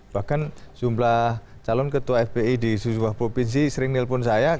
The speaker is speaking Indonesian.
bahkan jumlah calon ketua fpi di sejumlah provinsi sering nelpon saya